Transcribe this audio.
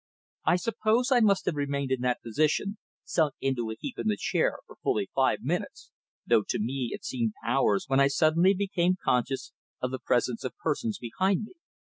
I suppose I must have remained in that position, sunk into a heap in the chair, for fully five minutes, though to me it seemed hours when I suddenly became conscious of the presence of persons behind me.